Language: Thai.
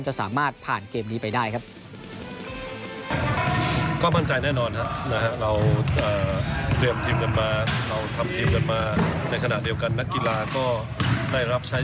จะสามารถผ่านเกมนี้ไปได้ครับ